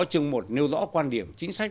chương một nêu rõ quan điểm chính sách